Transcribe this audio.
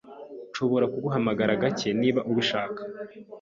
Nshobora kuguhamagara gake niba ubishaka.